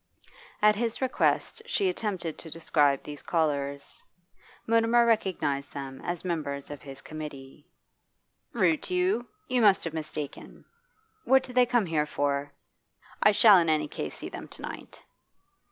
At his request she attempted to describe these callers. Mutimer recognised them as members of his committee. 'Rude to you? You must have mistaken. What did they come here for? I shall in any case see them to night.